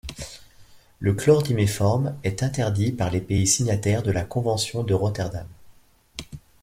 Le chlordiméform est interdit par les pays signataires de la Convention de Rotterdam.